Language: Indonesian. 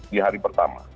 di hari pertama